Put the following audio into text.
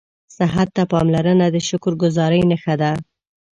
صحت ته پاملرنه د شکرګذارۍ نښه ده